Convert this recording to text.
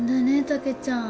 たけちゃん。